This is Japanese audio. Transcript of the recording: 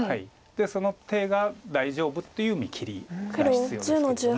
その手が大丈夫っていう見切りが必要ですけれども。